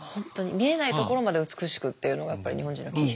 見えないところまで美しくっていうのがやっぱり日本人の気質。